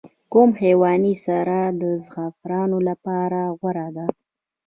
کوم حیواني سره د زعفرانو لپاره غوره ده؟